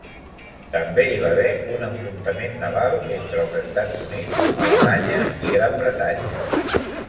També hi va haver un enfrontament naval entre els Estats Units, Alemanya i Gran Bretanya.